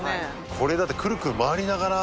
これだってくるくる回りながら。